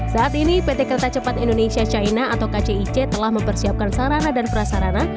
saat ini pt kereta cepat indonesia china atau kcic telah mempersiapkan sarana dan prasarana